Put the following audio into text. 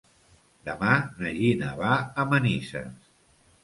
Demà na Gina va a Manises.